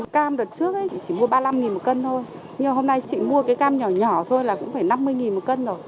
cam đợt trước chị chỉ mua ba mươi năm đồng một kg thôi nhưng hôm nay chị mua cam nhỏ nhỏ thôi là cũng phải năm mươi đồng một kg rồi